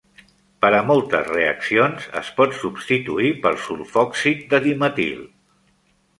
Per a moltes reaccions, es pot substituir per sulfòxid de dimetil.